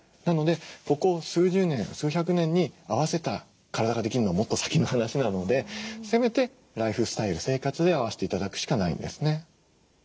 なのでここ数十年数百年に合わせた体ができるのはもっと先の話なのでせめてライフスタイル生活で合わせて頂くしかないんですね。